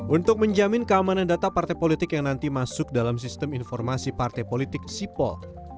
untuk menjamin keamanan data partai politik yang nanti masuk dalam sistem informasi partai politik sipol